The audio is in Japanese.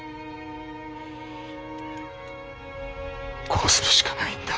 こうするしかないんだ。